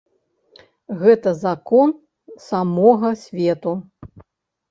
Гэта закон самога свету.